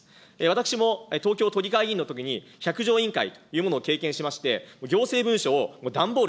私も東京都議会議員のときに、百条委員会というものを経験しまして、行政文書を段ボール